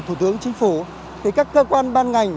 thủ tướng chính phủ các cơ quan ban ngành